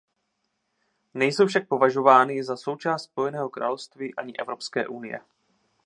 Nejsou však považovány za součást Spojeného království ani Evropské unie.